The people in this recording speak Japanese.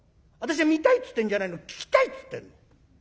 「私は見たいっつってんじゃないの聞きたいっつってんの。